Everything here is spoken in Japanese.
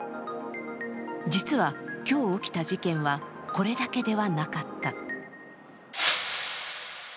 実は今日起きた事件はこれだけではなかった。